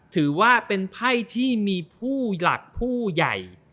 ถือว่าเป็นไพ่ที่มีผู้หลักผู้ใหญ่